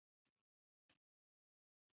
ته د “The Beast” نوم ورکړے شوے دے.